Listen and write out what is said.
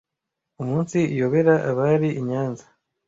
Umunsi iyobera abari i Nyanza,